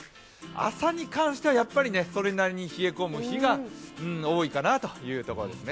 朝に関しては、やっぱりそれなりに冷え込む日が多いかなというところですね。